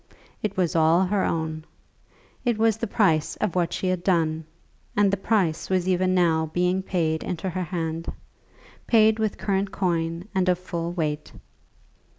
It was all her own. It was the price of what she had done; and the price was even now being paid into her hand, paid with current coin and of full weight.